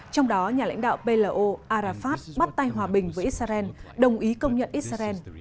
trong đó nhà lãnh đạo plo arafat bắt tay hòa bình với israel đồng ý công nhận israel